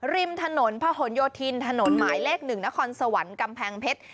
ริมถนนพะหนโยธินถนนหมายเลข๑นครสวรรค์กำแพงเพชร